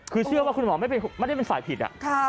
คือเชื่อว่าคุณหมอไม่ได้เป็นฝ่ายผิด